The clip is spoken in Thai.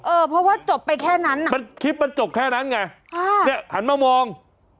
เออเพราะว่าจบไปแค่นั้นอะคลิปมันจบแค่นั้นไงหันมามอง